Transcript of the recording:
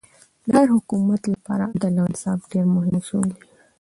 د هر حکومت له پاره عدل او انصاف ډېر مهم اصول دي.